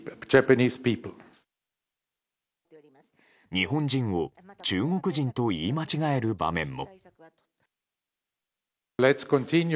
日本人を中国人と言い間違える場面も。